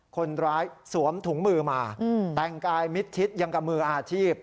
สวมถุงมือมาแต่งกายมิดชิดยังกับมืออาชีพ